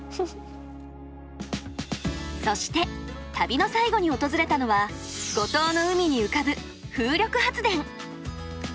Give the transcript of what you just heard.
そして旅の最後に訪れたのは五島の海に浮かぶ風力発電。